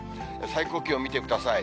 最高気温見てください。